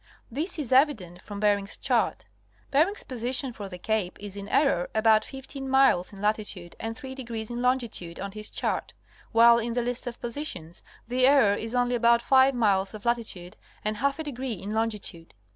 This is evident from Bering's chart. Bering's position for the cape is in error about fifteen miles in latitude and three degrees in longitude on his chart, while in the list of positions, the error is only about five miles of latitude and half a degree in longitude.